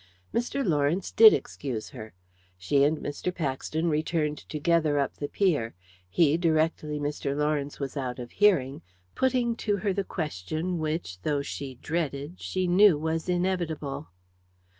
Mr. Lawrence did excuse her. She and Mr Paxton returned together up the pier; he, directly Mr. Lawrence was out of hearing, putting to her the question which, though she dreaded, she knew was inevitable.